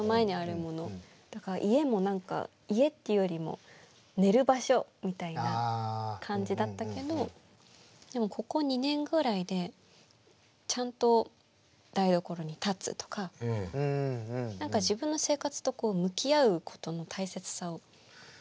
だから家も何か家っていうよりも寝る場所みたいな感じだったけどでもここ２年ぐらいでちゃんと台所に立つとか何か自分の生活とこう向き合うことの大切さを感じて。